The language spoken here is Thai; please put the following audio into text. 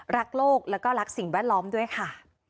รักโลกแล้วก็รักสิ่งแวดล้อมด้วยค่ะ